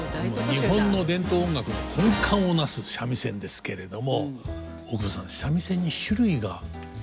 日本の伝統音楽の根幹を成す三味線ですけれども大久保さん三味線に種類があるって知ってますか？